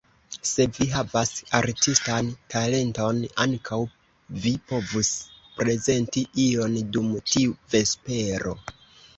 Se vi havas artistan talenton, ankaŭ vi povus prezenti ion dum tiu vespero.